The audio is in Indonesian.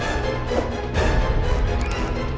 ya kita kembali ke sekolah